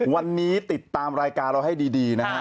วันนี้ติดตามรายการเราให้ดีนะฮะ